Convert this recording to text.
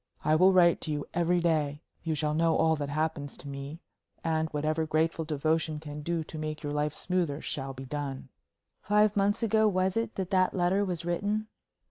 I will write to you every day; you shall know all that happens to me; and whatever grateful devotion can do to make your life smoother shall be done." Five months ago was it, that that letter was written?